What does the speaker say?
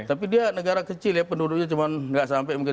tapi dia negara kecil ya penduduknya cuman gak sampai mungkin seratus